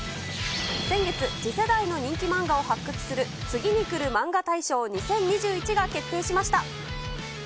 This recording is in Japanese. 先月、次世代の人気マンガを発掘する次にくるマンガ大賞２０２１が決定しました。